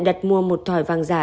đặt mua một thỏi vàng giả